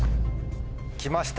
来ました。